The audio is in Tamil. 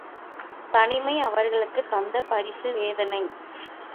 தனிமை அவர்களுக்குத் தந்த பரிசு வேதனை.